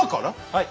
はい。